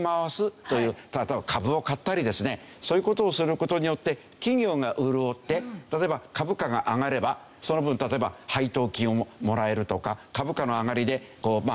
だから株を買ったりですねそういう事をする事によって企業が潤って例えば株価が上がればその分例えば配当金をもらえるとか株価の上がりで利益が上がる。